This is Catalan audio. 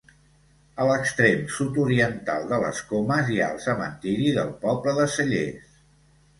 A l'extrem sud-oriental de les Comes hi ha el cementiri del poble de Cellers.